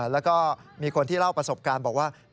แล้วก็มีคนที่เล่าประสบการณ์บอกว่า